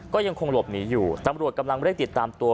ก็ยังคงหลบหนีอยู่ตำรวจกำลังเร่งติดตามตัว